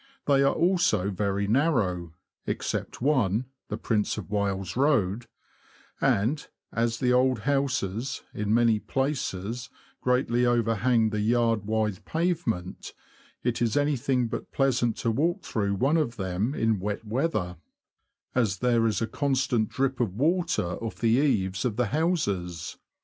They are also very narrow (except one, the Prince of Wales Road) ; and as the old houses, in many places, greatly overhang the yard wide pavement, it is anything but pleasant to walk through one of them in wet weather, as there is a constant drip of water off the eaves of the houses.